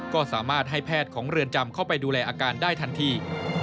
ก็สามารถให้แพทย์ของเรือนจำเข้าไปดูแลอาการได้ทันที